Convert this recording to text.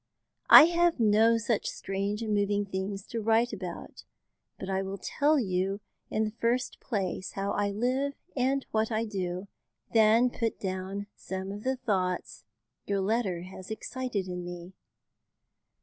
I have no such strange and moving things to write about, but I will tell you in the first place how I live and what I do, then put down some of the thoughts your letter has excited in me.